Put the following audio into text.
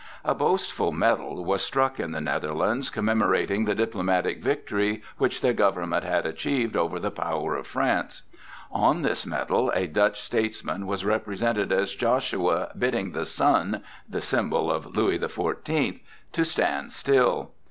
A boastful medal was struck in the Netherlands commemorating the diplomatic victory which their government had achieved over the power of France. On this medal a Dutch statesman was represented as Joshua bidding the sun (the symbol of Louis the Fourteenth) to stand still.